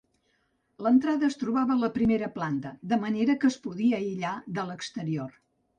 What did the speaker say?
L'entrada es trobava a la primera planta, de manera que es podia aïllar de l'exterior.